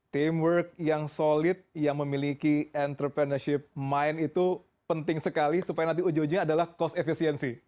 teamwork yang solid yang memiliki entrepreneurship mind itu penting sekali supaya nanti ujung ujungnya adalah cost efisiensi